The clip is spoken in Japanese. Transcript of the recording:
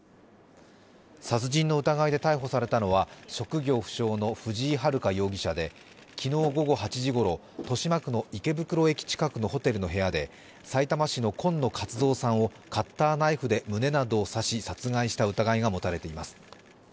殺人の疑いで逮捕されたのは職業不詳の藤井遥容疑者で昨日午後８時ごろ、豊島区の池袋駅近くのホテルの部屋でさいたま市の今野勝蔵さんをカッターナイフで胸などを刺し殺害した疑いが持たれています。